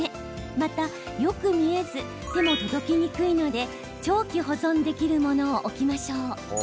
また、よく見えず手も届きにくいので長期保存できるものを置きましょう。